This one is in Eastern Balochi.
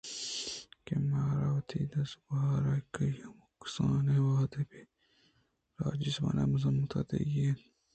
کہ مارا وتی دزھُورکی ءِ ھمُک کسانیں وھد پہ راجی زُبان ءِ ھزمت ءَ دیگی انت۔